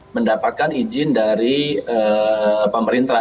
mendapatkan izin dari pemerintah